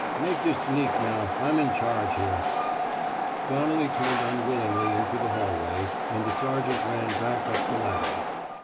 Make yer sneak, now. I'm in charge here." Donnelly turned unwillingly into the hallway, and the sergeant ran back up the ladders.